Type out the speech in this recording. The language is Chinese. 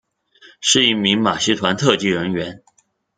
是一名马戏团特技人员。